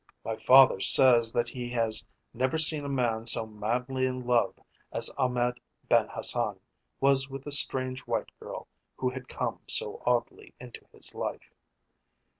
My father says that he has never seen a man so madly in love as Ahmed Ben Hassan was with the strange white girl who had come so oddly into his life.